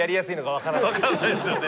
分かんないですよね。